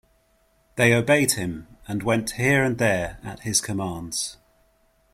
They obeyed him, and went here and there at his commands.